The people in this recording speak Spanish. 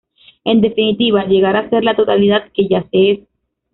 En definitiva, llegar a Ser la Totalidad que ya se Es.